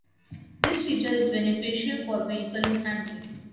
This feature is beneficial for vehicle handling.